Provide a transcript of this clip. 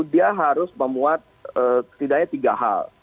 dia harus memuat setidaknya tiga hal